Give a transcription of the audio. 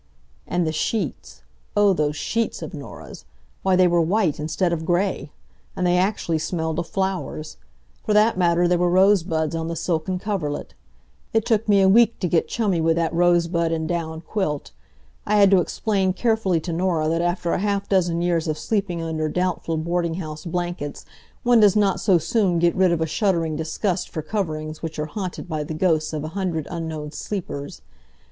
And the sheets. Oh, those sheets of Norah's! Why, they were white, instead of gray! And they actually smelled of flowers. For that matter, there were rosebuds on the silken coverlet. It took me a week to get chummy with that rosebud and down quilt. I had to explain carefully to Norah that after a half dozen years of sleeping under doubtful boarding house blankets one does not so soon get rid of a shuddering disgust for coverings which are haunted by the ghosts of a hundred unknown sleepers.